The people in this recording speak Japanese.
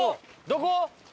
どこ？